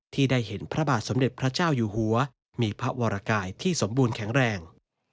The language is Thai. ที่ได้เห็นพระบาทสมเด็จพระเจ้าอยู่หัวมีพระวรกายที่สมบูรณ์แข็งแรง